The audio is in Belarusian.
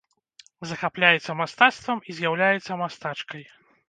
Захапляецца мастацтвам і з'яўляецца мастачкай.